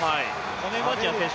ボネバチア選手